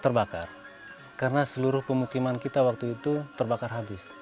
terbakar karena seluruh pemukiman kita waktu itu terbakar habis